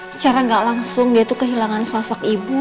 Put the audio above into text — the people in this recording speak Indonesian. secara gak langsung dia itu kehilangan sosok ibu